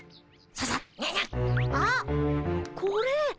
あっこれ。